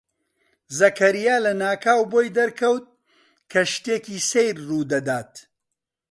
زەکەریا لەناکاو بۆی دەرکەوت کە شتێکی سەیر ڕوو دەدات.